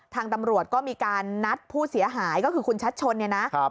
ทางตำรวจก็มีการนัดผู้เสียหายก็คือคุณชัดชนเนี่ยนะ